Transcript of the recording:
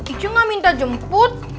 icu gak minta jemput